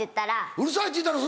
「うるさい！」って言ったの？